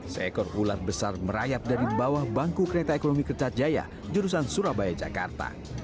seekor ular besar merayap dari bawah bangku kereta ekonomi kertajaya jurusan surabaya jakarta